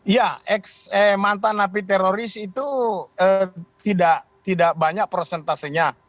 ya mantan napi teroris itu tidak banyak prosentasenya